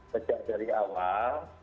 sejak dari awal